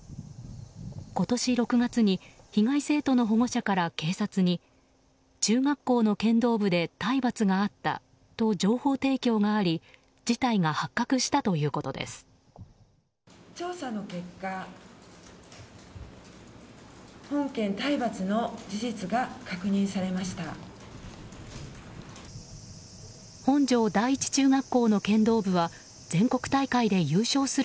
今年６月に被害生徒の保護者から警察に中学校の剣道部で体罰があったと情報提供があり事態が発覚したということです。